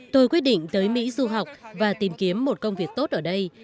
tôi quyết định tới mỹ du học và tìm kiếm một công việc tốt ở đây